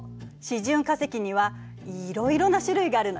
示準化石にはいろいろな種類があるのよ。